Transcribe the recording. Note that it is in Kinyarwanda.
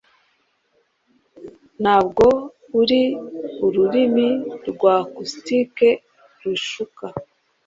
ntabwo ari ururimi rwa caustic rushuka